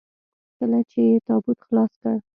کله چې يې تابوت خلاص کړ.